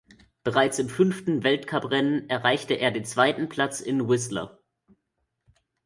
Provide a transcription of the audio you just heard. Bereits im fünften Weltcuprennen erreichte er den zweiten Platz in Whistler.